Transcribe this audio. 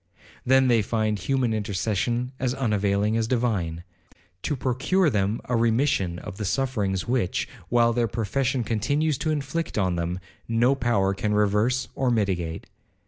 Then they find human intercession as unavailing as divine, to procure them a remission of the sufferings which, while their profession continues to inflict on them, no power can reverse or mitigate.